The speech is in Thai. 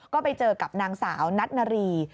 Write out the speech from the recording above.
ก็ไปเจอกับนางสาวนัทนารี